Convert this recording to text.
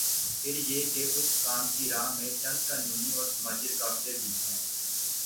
پھر یہ کہ اس کام کی راہ میں چند قانونی اور سماجی رکاوٹیں بھی ہیں۔